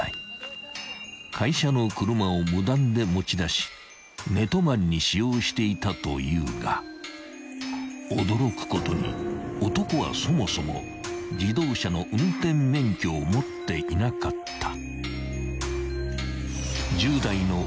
［会社の車を無断で持ち出し寝泊まりに使用していたというが驚くことに男はそもそも自動車の運転免許を持っていなかった］